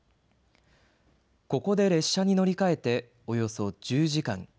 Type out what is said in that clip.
ここで列車に乗り換えておよそ１０時間。